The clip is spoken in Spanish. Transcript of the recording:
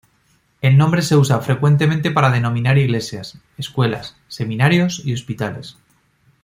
El nombre se usa frecuentemente para denominar iglesias, escuelas, seminarios y hospitales.